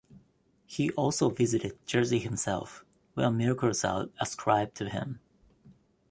He also visited Jersey himself, where miracles are ascribed to him.